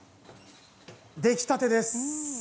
出来たてです。